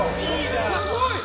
すごい。